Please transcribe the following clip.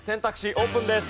オープンです。